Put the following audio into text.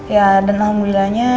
ya dan alhamdulillahnya